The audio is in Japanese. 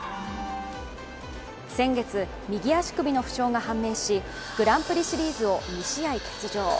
先月、右足首の負傷が判明し、グランプリシリーズを２試合欠場。